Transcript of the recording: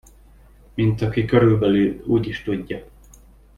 Mint aki körülbelül úgyis tudja.